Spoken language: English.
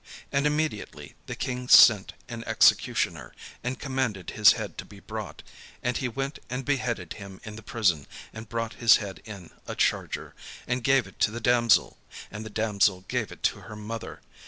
And immediately the king sent an executioner, and commanded his head to be brought: and he went and beheaded him in the prison, and brought his head in a charger, and gave it to the damsel: and the damsel gave it to her mother.